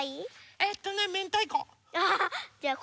えっとねめんたいこ。